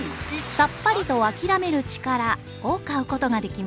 「『さっぱりとあきらめる力』を買うことができます。